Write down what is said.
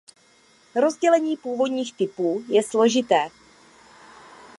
Rozložení půdních typů je složité.